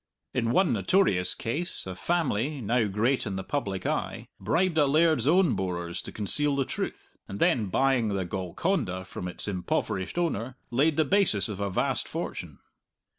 In one notorious case a family, now great in the public eye, bribed a laird's own borers to conceal the truth, and then buying the Golconda from its impoverished owner, laid the basis of a vast fortune.